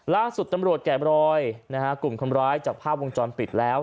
ล่าสุดตำรวจแกะบรอยกลุ่มคนร้ายจากภาพวงจรปิดแล้ว